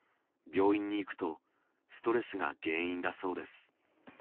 病院に行くと、ストレスが原因だそうです。